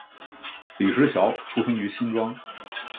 李石樵出生于新庄